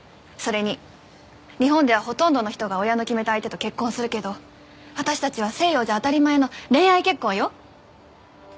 それに日本ではほとんどの人が親の決めた相手と結婚するけど私たちは西洋じゃ当たり前の恋愛結婚よ。